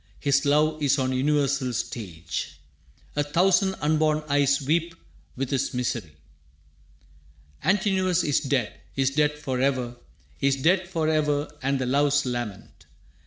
His love is on a universal stage. A thousand unborn eyes weep with his misery. Antinous is dead, is dead forever, Is dead forever and the loves lament.